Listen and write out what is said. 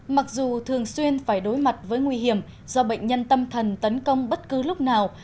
mặc dù thường xuyên phải đối mặt với nguy hiểm do bệnh nhân tâm thần tấn công bất cứ lúc nào